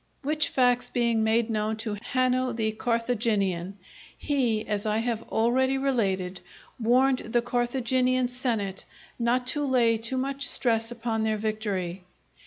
Which facts being made known to Hanno the Carthaginian, he, as I have already related, warned the Carthaginian senate not to lay too much stress upon their victory.